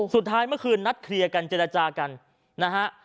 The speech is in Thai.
สุดท้ายเมื่อคืนนัดเคลียร์กันเจรจากันนะฮะ